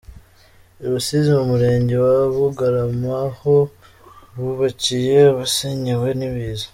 I Rusizi, mu Murenge wa Bugarama ho bubakiye abasenyewe n’ibiza.